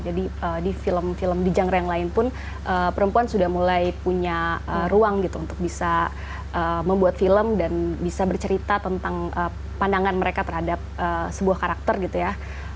jadi di film film di genre yang lain pun perempuan sudah mulai punya ruang gitu untuk bisa membuat film dan bisa bercerita tentang pandangan mereka terhadap sebuah karakter gitu ya